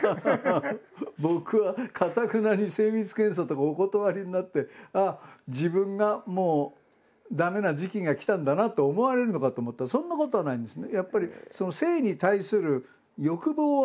僕はかたくなに精密検査とかお断りになって自分がもう駄目な時期が来たんだなと思われるのかと思ったらそんなことはないんですね。